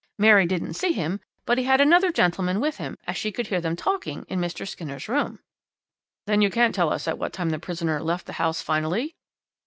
Mary didn't see him, but he had another gentleman with him, as she could hear them talking in Mr. Skinner's room.' "'Then you can't tell us at what time the prisoner left the house finally?'